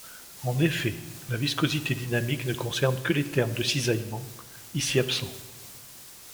En effet la viscosité dynamique ne concerne que les termes de cisaillement, ici absents.